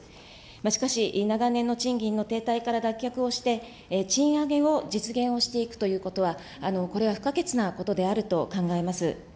しかし、長年の賃金の停滞から脱却をして、賃上げを実現をしていくということは、これは不可欠なことであると考えます。